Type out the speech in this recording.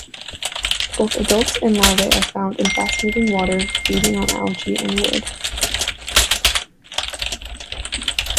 Both adults and larvae are found in fast-moving water, feeding on algae and wood.